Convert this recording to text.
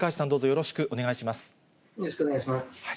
よろしくお願いします。